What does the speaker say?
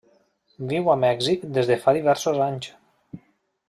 Viu a Mèxic des de fa diversos anys.